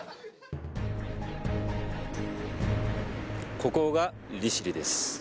ここが利しりです